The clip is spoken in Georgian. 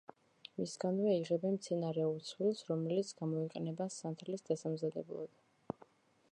მისგანვე იღებენ მცენარეულ ცვილს, რომელიც გამოიყენება სანთლის დასამზადებლად.